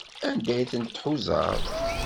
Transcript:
Anda ay tent-tḥuzaḍ?